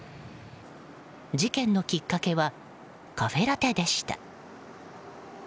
事件のきっかけはカフェラテでした。